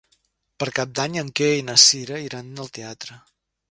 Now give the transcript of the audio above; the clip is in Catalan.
Per Cap d'Any en Quer i na Cira iran al teatre.